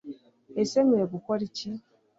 Ese Nkwiye gukora iki